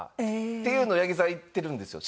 っていうの八木さん行ってるんですよ。